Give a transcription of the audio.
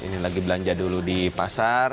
ini lagi belanja dulu di pasar